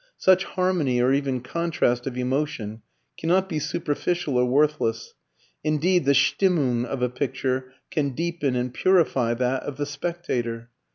Such harmony or even contrast of emotion cannot be superficial or worthless; indeed the Stimmung of a picture can deepen and purify that of the spectator.